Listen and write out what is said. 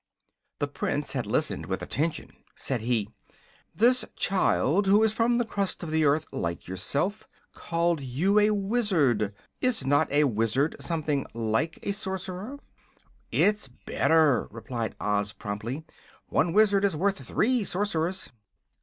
The Prince had listened with attention. Said he: "This child, who is from the crust of the earth, like yourself, called you a Wizard. Is not a Wizard something like a Sorcerer?" "It's better," replied Oz, promptly. "One Wizard is worth three Sorcerers."